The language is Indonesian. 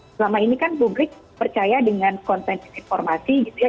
selama ini kan publik percaya dengan konten informasi gitu ya